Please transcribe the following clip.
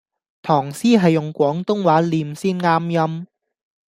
唐詩係用廣東話唸先啱音